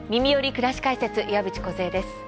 くらし解説」岩渕梢です。